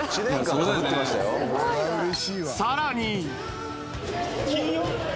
さらに。